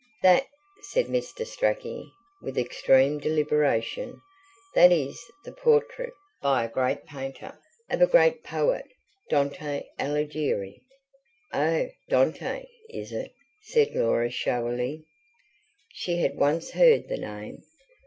"That," said Mr. Strachey, with extreme deliberation: "that is the portrait, by a great painter, of a great poet Dante Alighieri." "Oh, Dante, is it?" said Laura showily she had once heard the name.